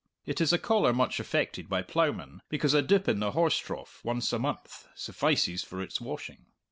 It is a collar much affected by ploughmen, because a dip in the horse trough once a month suffices for its washing.